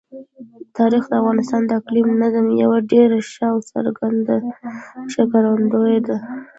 تاریخ د افغانستان د اقلیمي نظام یوه ډېره ښه او څرګنده ښکارندوی ده.